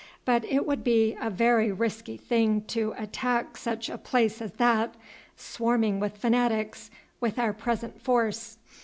But it would be a very risky thing to attack such a place as that, swarming with fanatics, with our present force.